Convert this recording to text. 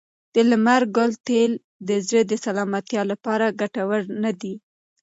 د لمر ګل تېل د زړه د سلامتیا لپاره ګټور نه دي.